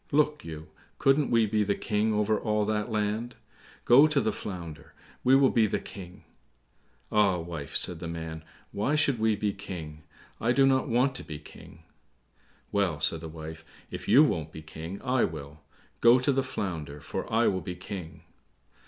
Look you, couldn't we be the King over all that land? Go to the Flounder, we will be the King." "Ah, wife," said the man, "why should we be King? I do not want to be King." "Well," said the wife, "if you won't be King, I will; go to the Flounder, for I will be King."